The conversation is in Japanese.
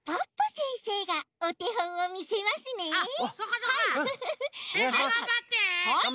せんせいがんばって。